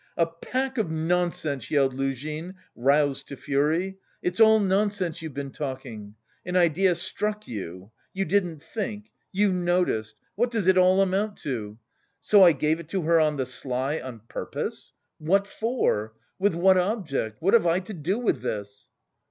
"A pack of nonsense!" yelled Luzhin, roused to fury, "it's all nonsense you've been talking! 'An idea struck you, you didn't think, you noticed' what does it amount to? So I gave it to her on the sly on purpose? What for? With what object? What have I to do with this...?"